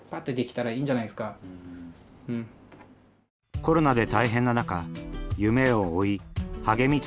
コロナで大変な中夢を追い励み続けるラジズ。